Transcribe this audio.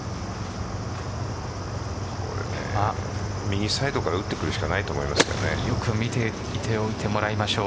右サイドから打ってくるしかないとよく見ておいてもらいましょう。